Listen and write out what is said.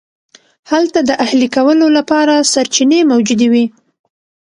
هلته د اهلي کولو لپاره سرچینې موجودې وې.